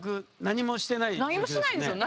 何もしないですよ。